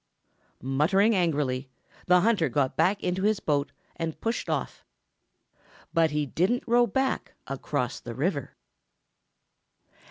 Muttering angrily, the hunter got back into his boat and pushed off, but he didn't row back across the river.